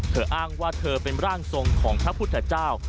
อ้างว่าเธอเป็นร่างทรงของพระพุทธเจ้า